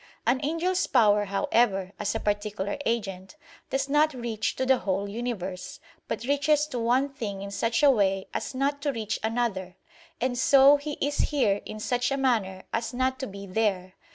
An angel's power, however, as a particular agent, does not reach to the whole universe, but reaches to one thing in such a way as not to reach another; and so he is "here" in such a manner as not to be "there."